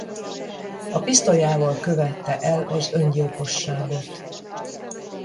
A pisztolyával követte el az öngyilkosságot.